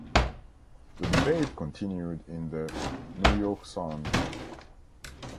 The debate continued in the "New York Sun".